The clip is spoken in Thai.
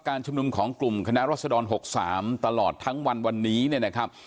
ชุมนุมของกลุ่มคณะรัศดร๖๓ตลอดทั้งวันวันนี้เนี่ยนะครับ